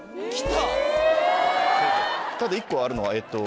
ただ１個あるのはえっと。